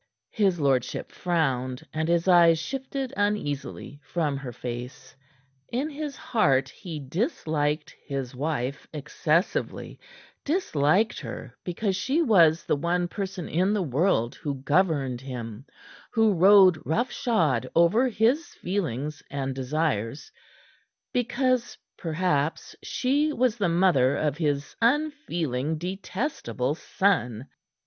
His lordship frowned, and his eyes shifted uneasily from her face. In his heart he disliked his wife excessively, disliked her because she was the one person in the world who governed him, who rode rough shod over his feelings and desires; because, perhaps, she was the mother of his unfeeling, detestable son.